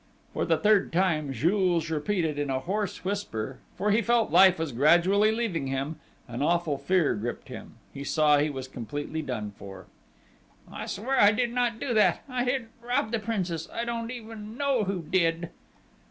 For the third time, Jules repeated in a hoarse whisper, for he felt life was gradually leaving him: an awful fear gripped him, he saw he was completely done for. "I swear I did not do that!... I didn't rob the princess.... I don't even know who did!"